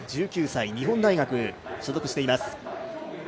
１９歳、日本大学に所属しています。